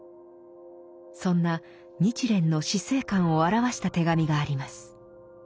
そんな日蓮の死生観を表した手紙があります。